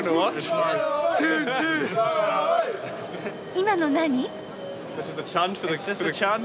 今の何？